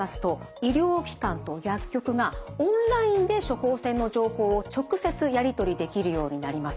医療機関と薬局がオンラインで処方箋の情報を直接やり取りできるようになります。